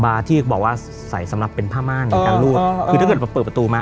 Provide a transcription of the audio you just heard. บาร์ที่บอกว่าใส่สำหรับเป็นผ้ามานเออเอ่อเออคือถ้าเกิดเราเปิดประตูมา